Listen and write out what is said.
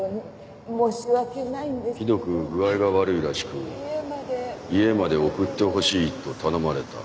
申し訳ないんですけど「ひどく具合が悪いらしく家まで送ってほしいと頼まれた」。